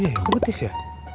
iya kok betis ya